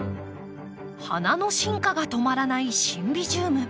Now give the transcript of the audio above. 花の進化が止まらないシンビジウム。